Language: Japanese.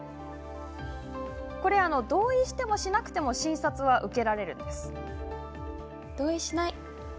同意をしてもしなくても診察は受けられます。